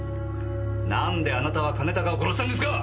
なんであなたは兼高を殺したんですか！